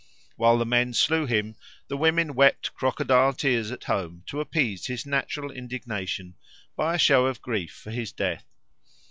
While the men slew him, the women wept crocodile tears at home to appease his natural indignation by a show of grief for his death.